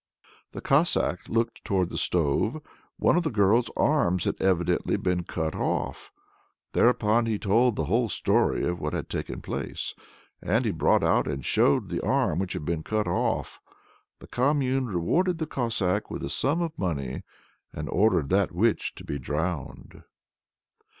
The Cossack looked towards the stove one of the girl's arms had evidently been cut off. Thereupon he told the whole story of what had taken place, and he brought out and showed the arm which had been cut off. The commune rewarded the Cossack with a sum of money, and ordered that witch to be drowned.